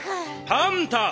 パンタ！